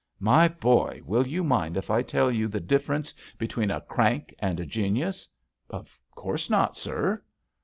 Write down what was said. "My boy, will you mind if I tell you the difference between a crank and a genius?" "Of course not, sir."